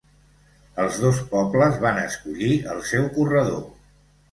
Els dos pobles van escollir el seu corredor.